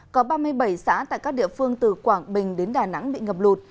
có ba mươi bảy xã tại các địa phương từ quảng bình đến đà nẵng bị ngập lụt